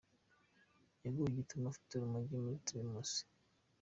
Yaguwe gitumo afite urumogi muri teremosi